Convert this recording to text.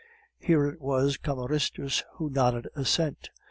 Here it was Cameristus who nodded assent.